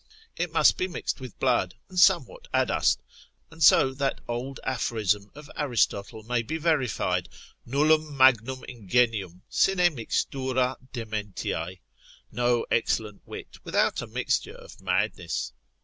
It must be mixed with blood, and somewhat adust, and so that old aphorism of Aristotle may be verified, Nullum magnum ingenium sine mixtura dementiae, no excellent wit without a mixture of madness.